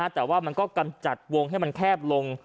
แต่ว่ามันก็กำจัดวงให้มันแคบลง